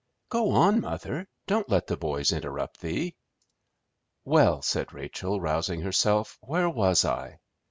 "Go on, mother. Don't let the boys interrupt thee!" "Well," said Rachel, rousing herself, "where was I?